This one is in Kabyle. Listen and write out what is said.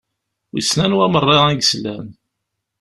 Wissen anwa meṛṛa i yeslan?